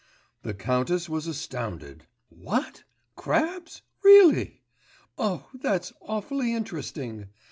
The countess was astounded. 'What? Crabs! Really? Oh, that's awfully interesting!